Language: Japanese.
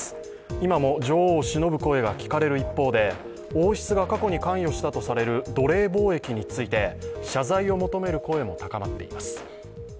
今も女王をしのぶ声が聞かれる一方で王室が過去に関与したとされる奴隷貿易について、謝罪を求める声も高まっています。